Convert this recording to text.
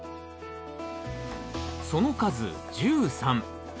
その数１３。